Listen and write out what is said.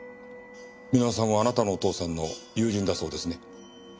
箕輪さんはあなたのお父さんの友人だそうですね。